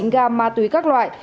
hai mươi chín gram ma túy các loại